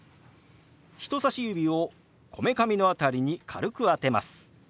人さし指をこめかみの辺りに軽く当てます。